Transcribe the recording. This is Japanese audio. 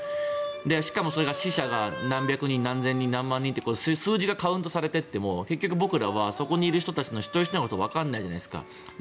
しかも、それが死者が何百人、何千人、何万人と数字がカウントされていっても結局、僕らはそこにいる人たちの一人ひとりのことがわからないじゃないですか。